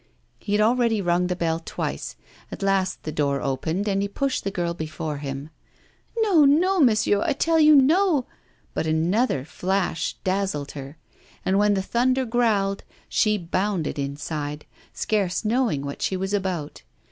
He had already rung the bell twice. At last the door opened and he pushed the girl before him. 'No, no, monsieur; I tell you, no ' But another flash dazzled her, and when the thunder growled she bounded inside, scarce knowing what she was about.